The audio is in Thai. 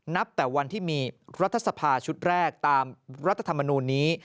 นับแต่วันที่มีรัฐสภาชุดแรกตามรัฐธรรมนูลนี้